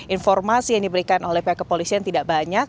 informasi yang diberikan oleh pihak kepolisian tidak banyak